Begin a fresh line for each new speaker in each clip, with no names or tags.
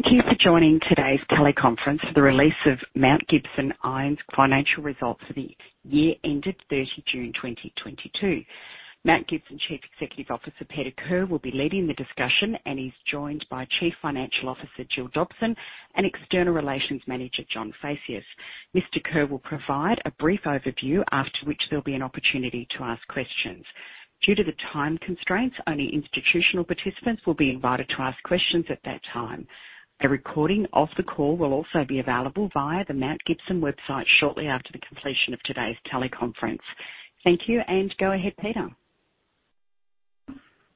Thank you for joining today's teleconference for the release of Mount Gibson Iron's financial results for the year ending June 30, 2022. Mount Gibson's Chief Executive Officer, Peter Kerr, will be leading the discussion, and he's joined by Chief Financial Officer, Gillian Dobson, and Manager, Investor & External Relations, John Phaceas. Mr. Kerr will provide a brief overview, after which there'll be an opportunity to ask questions. Due to the time constraints, only institutional participants will be invited to ask questions at that time. A recording of the call will also be available via the Mount Gibson website shortly after the completion of today's teleconference. Thank you, and go ahead, Peter.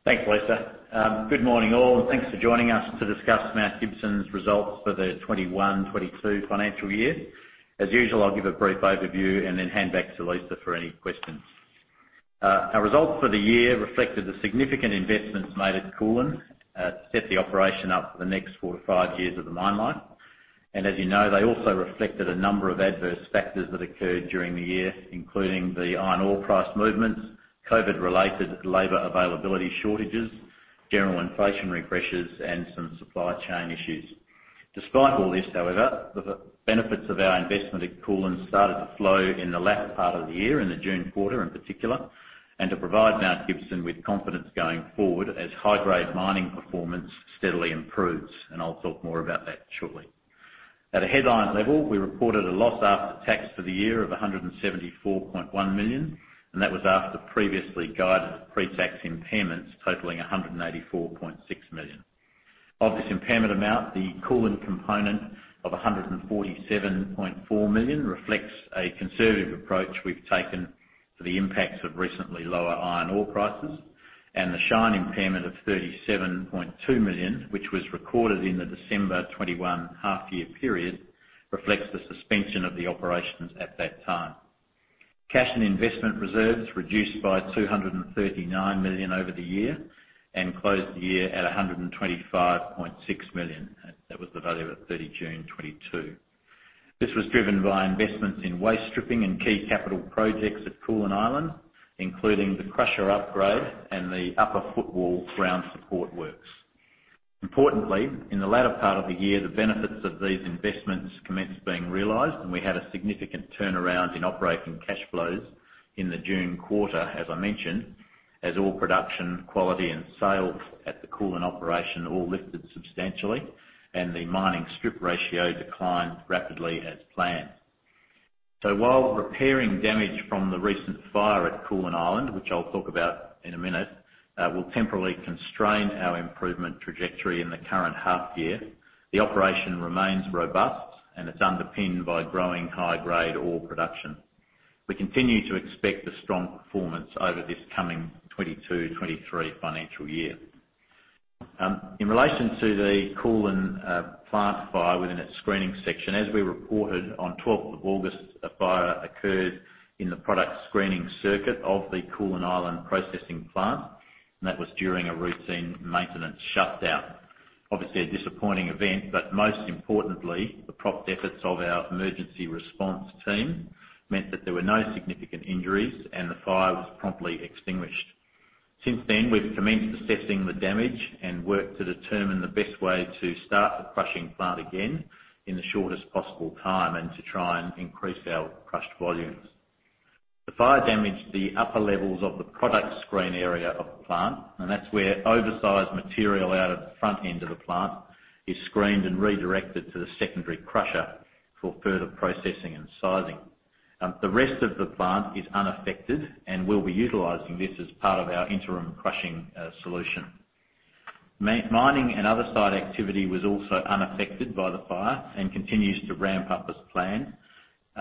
Thanks, Lisa. Good morning, all, and thanks for joining us to discuss Mount Gibson Iron's results for the 2021-2022 financial year. As usual, I'll give a brief overview and then hand back to Lisa for any questions. Our results for the year reflected the significant investments made at Koolan to set the operation up for the next four to five years of the mine life. As you know, they also reflected a number of adverse factors that occurred during the year, including the iron ore price movements, COVID-related labor availability shortages, general inflationary pressures, and some supply chain issues. Despite all this, however, the benefits of our investment at Koolan started to flow in the last part of the year, in the June quarter in particular, and to provide Mount Gibson with confidence going forward as high-grade mining performance steadily improves, and I'll talk more about that shortly. At a headline level, we reported a loss after tax for the year of 174.1 million, and that was after previously guided pre-tax impairments totaling 184.6 million. Of this impairment amount, the Koolan component of 147.4 million reflects a conservative approach we've taken to the impacts of recently lower iron ore prices, and the Shine impairment of 37.2 million, which was recorded in the December 2021 half year period, reflects the suspension of the operations at that time. Cash and investment reserves reduced by 239 million over the year and closed the year at 125.6 million. That was the value at June 30, 2022. This was driven by investments in waste stripping and key capital projects at Koolan Island, including the crusher upgrade and the upper footwall ground support works. Importantly, in the latter part of the year, the benefits of these investments commenced being realized, and we had a significant turnaround in operating cash flows in the June quarter, as I mentioned, as ore production, quality, and sales at the Koolan operation all lifted substantially and the mining strip ratio declined rapidly as planned. While repairing damage from the recent fire at Koolan Island, which I'll talk about in a minute, will temporarily constrain our improvement trajectory in the current half year. The operation remains robust and is underpinned by growing high-grade ore production. We continue to expect a strong performance over this coming 2022-2023 financial year. In relation to the Koolan plant fire within its screening section, as we reported on twelfth of August, a fire occurred in the product screening circuit of the Koolan Island processing plant, and that was during a routine maintenance shutdown. Obviously a disappointing event, but most importantly, the prompt efforts of our emergency response team meant that there were no significant injuries and the fire was promptly extinguished. Since then, we've commenced assessing the damage and worked to determine the best way to start the crushing plant again in the shortest possible time and to try and increase our crushed volumes. The fire damaged the upper levels of the product screen area of the plant, and that's where oversized material out of the front end of the plant is screened and redirected to the secondary crusher for further processing and sizing. The rest of the plant is unaffected and we'll be utilizing this as part of our interim crushing solution. Mining and other site activity was also unaffected by the fire and continues to ramp up as planned,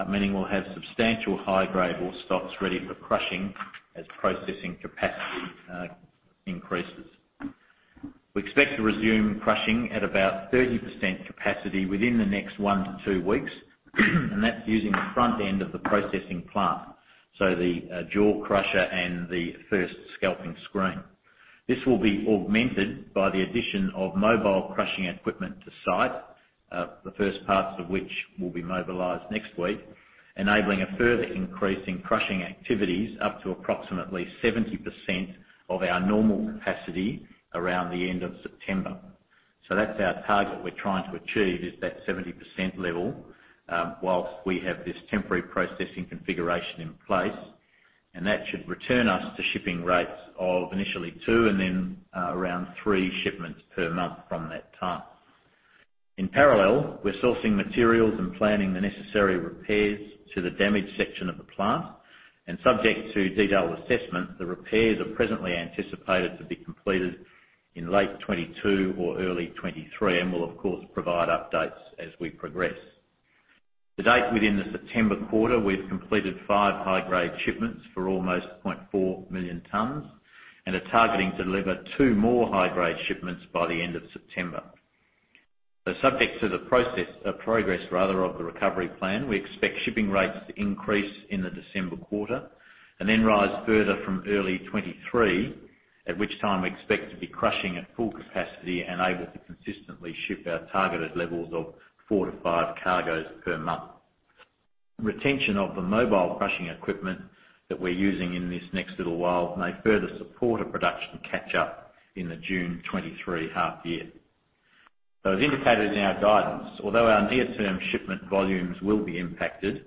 meaning we'll have substantial high-grade ore stocks ready for crushing as processing capacity increases. We expect to resume crushing at about 30% capacity within the next one to two weeks, and that's using the front end of the processing plant, so the jaw crusher and the first scalping screen. This will be augmented by the addition of mobile crushing equipment to site, the first parts of which will be mobilized next week, enabling a further increase in crushing activities up to approximately 70% of our normal capacity around the end of September. That's our target we're trying to achieve is that 70% level, while we have this temporary processing configuration in place, and that should return us to shipping rates of initially two and then, around three shipments per month from that time. In parallel, we're sourcing materials and planning the necessary repairs to the damaged section of the plant, and subject to detailed assessment, the repairs are presently anticipated to be completed in late 2022 or early 2023, and we'll of course provide updates as we progress. To date within the September quarter, we've completed five high-grade shipments for almost 0.4 million tons and are targeting to deliver two more high-grade shipments by the end of September. Subject to the progress rather of the recovery plan, we expect shipping rates to increase in the December quarter and then rise further from early 2023, at which time we expect to be crushing at full capacity and able to consistently ship our targeted levels of four to five cargoes per month. Retention of the mobile crushing equipment that we're using in this next little while may further support a production catch-up in the June 2023 half year. As indicated in our guidance, although our near-term shipment volumes will be impacted,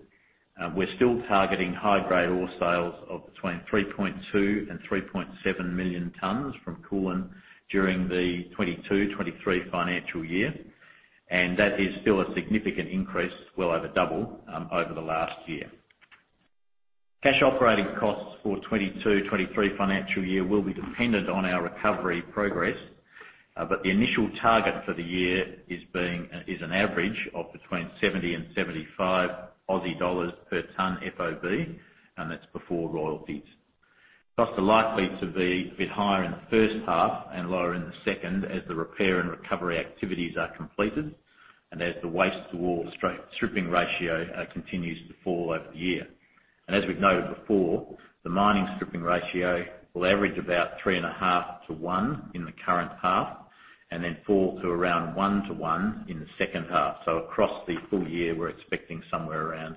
we're still targeting high-grade ore sales of between 3.2 million and 3.7 million tons from Koolan during the 2022-2023 financial year. That is still a significant increase, well over double, over the last year. Cash operating costs for 2022-2023 financial year will be dependent on our recovery progress. But the initial target for the year is an average of between 70 and 75 Aussie dollars per ton FOB, and that's before royalties. Costs are likely to be a bit higher in the first half and lower in the second as the repair and recovery activities are completed, and as the waste-to-ore strip ratio continues to fall over the year. As we've noted before, the mining strip ratio will average about 3.5 to one in the current half, and then fall to around one to one in the second half. Across the full year, we're expecting somewhere around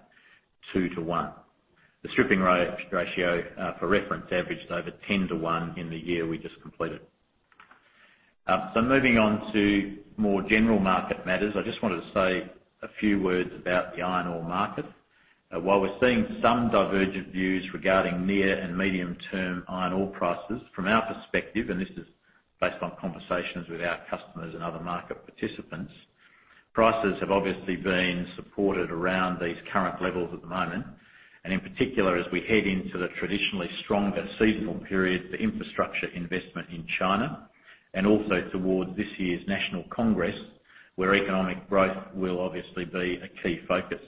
two to one. The stripping ratio, for reference, averaged over 10 to one in the year we just completed. Moving on to more general market matters, I just wanted to say a few words about the iron ore market. While we're seeing some divergent views regarding near and medium-term iron ore prices, from our perspective, and this is based on conversations with our customers and other market participants, prices have obviously been supported around these current levels at the moment, and in particular, as we head into the traditionally stronger seasonal period for infrastructure investment in China, and also towards this year's National Congress, where economic growth will obviously be a key focus.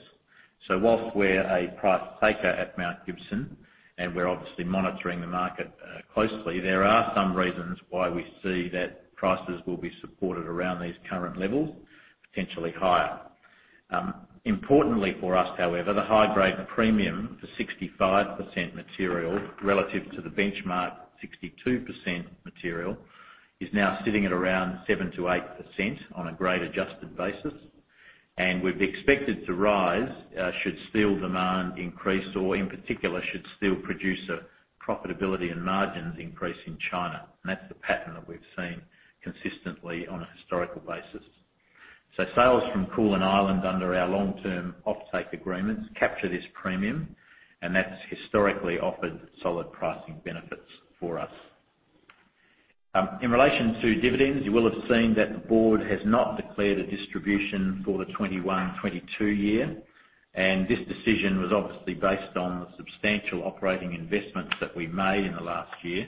Whilst we're a price taker at Mount Gibson, and we're obviously monitoring the market closely, there are some reasons why we see that prices will be supported around these current levels, potentially higher. Importantly for us, however, the high-grade premium for 65% material relative to the benchmark 62% material is now sitting at around 7%-8% on a grade-adjusted basis, and we'd be expected to rise should steel demand increase or, in particular, should steel producer profitability and margins increase in China. That's the pattern that we've seen consistently on a historical basis. Sales from Koolan Island under our long-term offtake agreements capture this premium, and that's historically offered solid pricing benefits for us. In relation to dividends, you will have seen that the board has not declared a distribution for the 2021-2022 year, and this decision was obviously based on the substantial operating investments that we made in the last year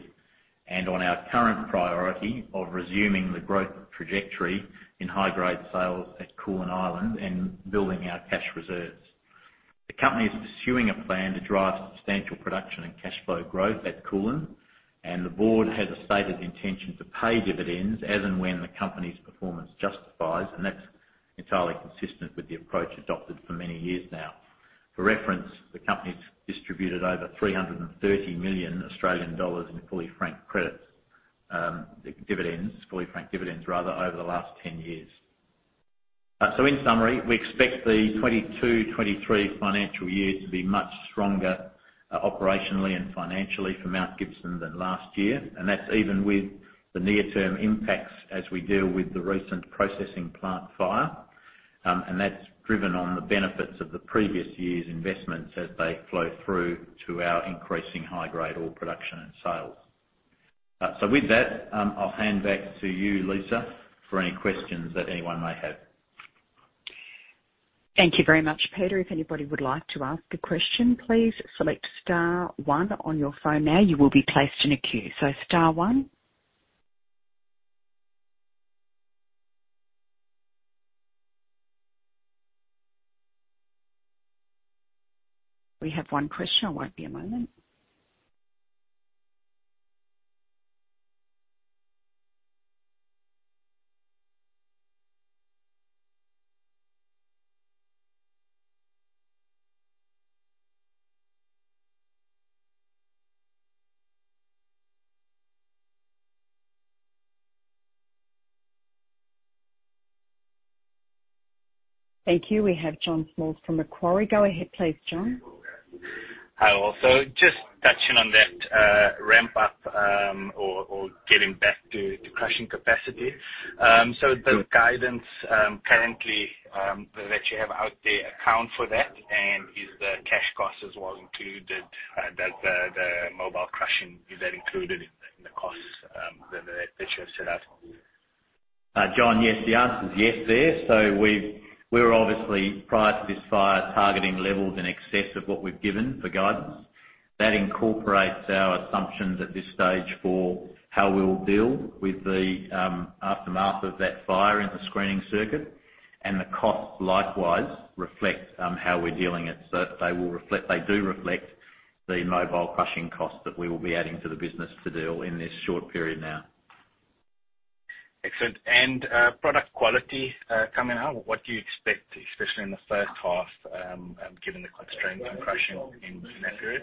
and on our current priority of resuming the growth trajectory in high-grade sales at Koolan Island and building our cash reserves. The company is pursuing a plan to drive substantial production and cash flow growth at Koolan, and the board has a stated intention to pay dividends as and when the company's performance justifies, and that's entirely consistent with the approach adopted for many years now. For reference, the company's distributed over 330 million Australian dollars in fully franked dividends over the last 10 years. In summary, we expect the 2022-2023 financial year to be much stronger operationally and financially for Mount Gibson than last year, and that's even with the near-term impacts as we deal with the recent processing plant fire. That's driven by the benefits of the previous year's investments as they flow through to our increasing high-grade ore production and sales. With that, I'll hand back to you, Lisa, for any questions that anyone may have.
Thank you very much, Peter. If anybody would like to ask a question, please select star one on your phone now. You will be placed in a queue. Star one. We have one question. It won't be a moment. Thank you. We have John Small from Macquarie. Go ahead, please, John.
Hi, all. Just touching on that, ramp up, or getting back to crushing capacity. The guidance currently that you have out there accounts for that, and is the cash cost as well included, the mobile crushing, is that included in the costs that you have set out?
John, yes. The answer is yes there. We're obviously, prior to this fire, targeting levels in excess of what we've given for guidance. That incorporates our assumptions at this stage for how we'll deal with the aftermath of that fire in the screening circuit. The costs likewise reflect how we're dealing with it. They will reflect, they do reflect the mobile crushing costs that we will be adding to the business to deal with this short period now.
Excellent. Product quality coming out, what do you expect, especially in the first half, given the constraints in crushing in that period?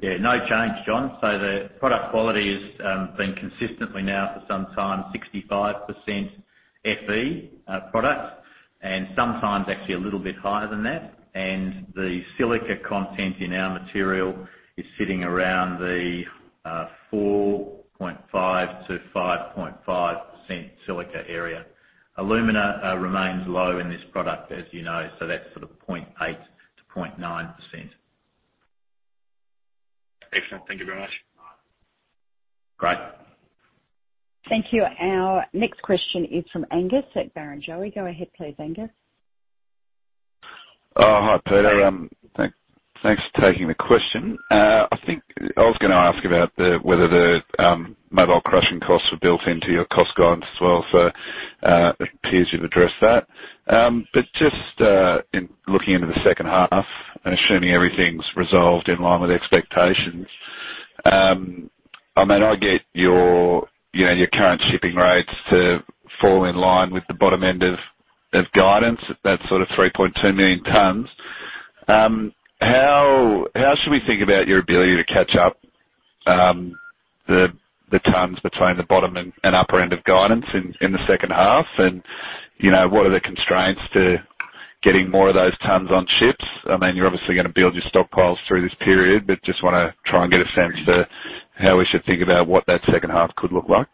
Yeah, no change, John. The product quality has been consistently now for some time, 65% FE product, and sometimes actually a little bit higher than that. The silica content in our material is sitting around the 4.5-5.5 silica area. Alumina remains low in this product, as you know, so that's sort of 0.8%-0.9%.
Excellent. Thank you very much.
Great.
Thank you. Our next question is from Angus at Barrenjoey. Go ahead please, Angus.
Oh, hi, Peter. Thanks for taking the question. I think I was gonna ask about whether the mobile crushing costs were built into your cost guide as well for, it appears you've addressed that. But just in looking into the second half and assuming everything's resolved in line with expectations, I mean, I get your, you know, your current shipping rates to fall in line with the bottom end of guidance, that's sort of 3.2 million tonnes. How should we think about your ability to catch up the tonnes between the bottom and upper end of guidance in the second half? You know, what are the constraints to getting more of those tonnes on ships? I mean, you're obviously gonna build your stockpiles through this period, but just wanna try and get a sense for how we should think about what that second half could look like.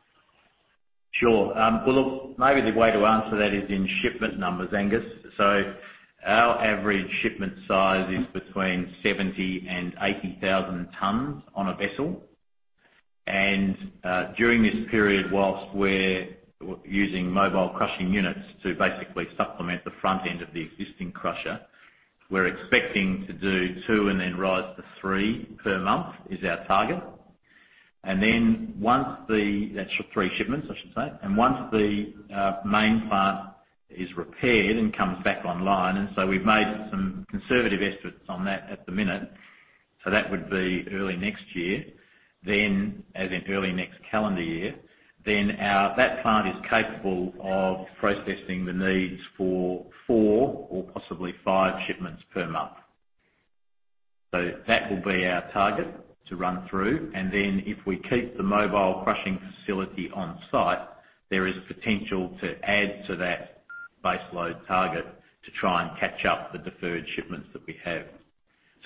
Sure. Well, look, maybe the way to answer that is in shipment numbers, Angus. Our average shipment size is between 70,000 and 80,000 tonnes on a vessel. During this period, while we're using mobile crushing units to basically supplement the front end of the existing crusher, we're expecting to do two and then rise to three per month, is our target. That's for three shipments, I should say. Once the main plant is repaired and comes back online, and so we've made some conservative estimates on that at the minute. That would be early next year. As in early next calendar year, then our that plant is capable of processing the needs for four or possibly five shipments per month. That will be our target to run through. If we keep the mobile crushing facility on site, there is potential to add to that baseload target to try and catch up the deferred shipments that we have.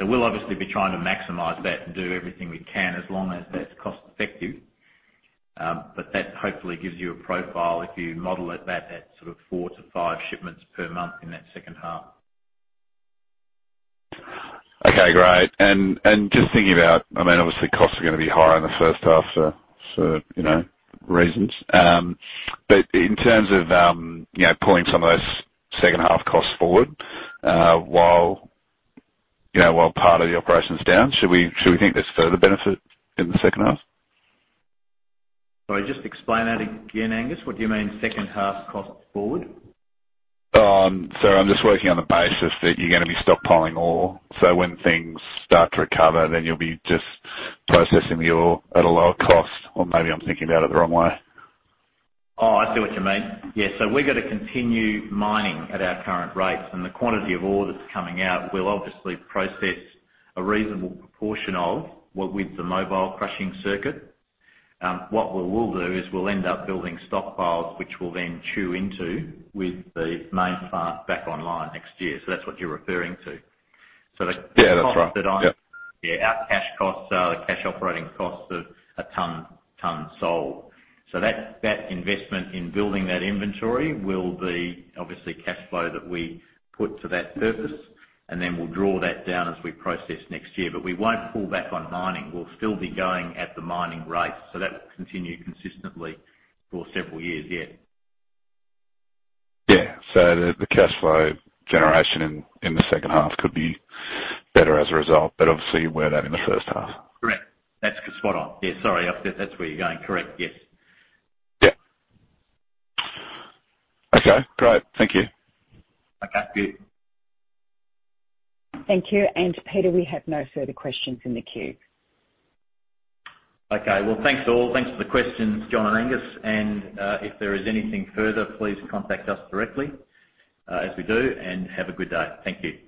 We'll obviously be trying to maximize that and do everything we can as long as that's cost effective. That hopefully gives you a profile if you model it that sort of four to five shipments per month in that second half.
Okay, great. Just thinking about, I mean, obviously costs are gonna be higher in the first half for, you know, reasons. In terms of, you know, pulling some of those second half costs forward while you know part of the operation's down, should we think there's further benefit in the second half?
Sorry, just explain that again, Angus. What do you mean second half costs forward?
I'm just working on the basis that you're gonna be stockpiling ore, so when things start to recover, then you'll be just processing the ore at a lower cost. Maybe I'm thinking about it the wrong way.
Oh, I see what you mean. Yeah. We're gonna continue mining at our current rates, and the quantity of ore that's coming out, we'll obviously process a reasonable proportion of what with the mobile crushing circuit. What we will do is we'll end up building stockpiles, which we'll then chew into with the main plant back online next year. That's what you're referring to.
Yeah, that's right. Yep.
Yeah, our cash costs are, the cash operating costs are a ton sold. That investment in building that inventory will be obviously cash flow that we put to that purpose, and then we'll draw that down as we process next year. We won't pull back on mining. We'll still be going at the mining rate. That will continue consistently for several years. Yeah.
Yeah. The cash flow generation in the second half could be better as a result, but obviously we're there in the first half.
Correct. That's spot on. Yeah, sorry. I said that's where you're going. Correct. Yes.
Yeah. Okay, great. Thank you.
Okay, see you.
Thank you. Peter, we have no further questions in the queue.
Okay. Well, thanks, all. Thanks for the questions, John and Angus. If there is anything further, please contact us directly, as we do, and have a good day. Thank you.